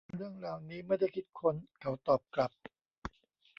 เรื่องราวนี้ไม่ได้คิดค้น เขาตอบกลับ